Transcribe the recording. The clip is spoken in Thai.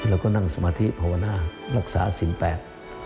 แล้วก็นั่งสมาธิภาวนารักษาสินแปด